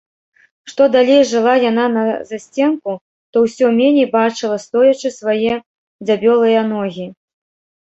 Што далей жыла яна на засценку, то ўсё меней бачыла, стоячы, свае дзябёлыя ногі.